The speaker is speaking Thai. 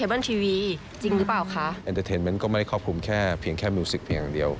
อย่างผมมีแฟชั่นของผมก็คือเรื่องหนังนะครับ